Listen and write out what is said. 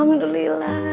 kamu bisa jalan